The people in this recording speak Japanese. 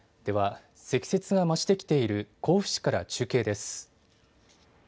では、積雪が増してきている甲府市から中継です。